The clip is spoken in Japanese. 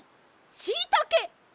しいたけ！